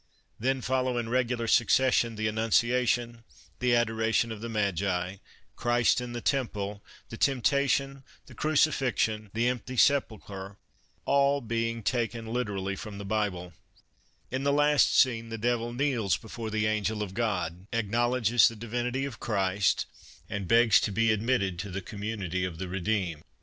Then follow in regular suc cession the Annunciation, the Adoration of the Magi, Christ in the Temple, the Temptation, the Crucifixion, the Empty Sepulchre, all being taken literally from the Bible. In the last scene the Devil kneels before 80 The Alcalde's Daughter The Alcalde's Daughter the Angel of God, acknowledges the Divinity of Christ, and begs to be admitted to the community of the Redeemed.